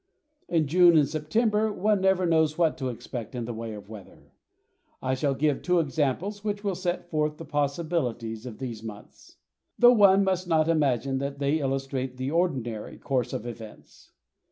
In June and September one never knows what to expect in the way of weather. I shall give two examples which will set forth the possibilities of these months, though one must not imagine that they illustrate the ordinary course of events.